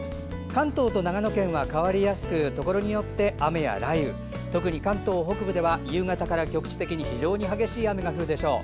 関東と長野県は変わりやすくところによって雨や雷雨特に関東北部では夕方から局地的に非常に激しい雨が降るでしょう。